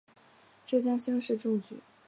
浙江乡试中举。